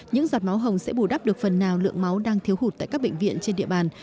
những giọt máu hồng sẽ bù đắp được phần nào lượng máu đang thiếu hụt tại các bệnh viện trên địa bàn